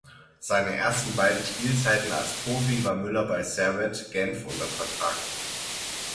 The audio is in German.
Seine ersten beiden Spielzeiten als Profi war Müller bei Servette Genf unter Vertrag.